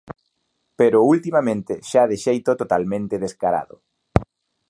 Pero ultimamente xa de xeito totalmente descarado.